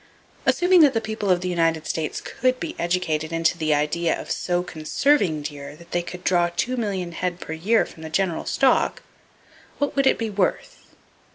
Assuming that the people of the United States could be educated into the idea of so conserving deer that they could draw two million head per year from the general stock, what would it be worth?